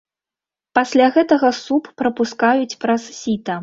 Пасля гэтага суп прапускаюць праз сіта.